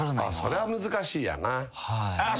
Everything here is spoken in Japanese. それは難しいよな。